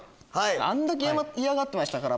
あんだけ嫌がってましたから。